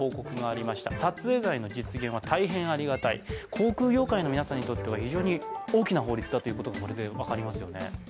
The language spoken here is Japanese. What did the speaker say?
航空業界の皆さんにとっては、大きな法律だということがこれで、分かりますよね。